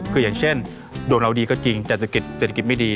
คืออย่างเช่นดวงเราดีก็จริงเศรษฐกิจไม่ดี